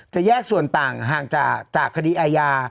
แยกส่วนต่างห่างจากคดีอาญา